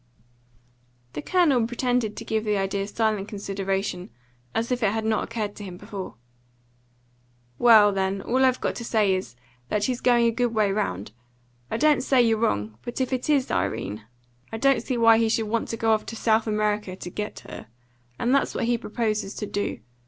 The Colonel pretended to give the idea silent consideration, as if it had not occurred to him before. "Well, then, all I've got to say is, that he's going a good way round. I don't say you're wrong, but if it's Irene, I don't see why he should want to go off to South America to get her. And that's what he proposes to do.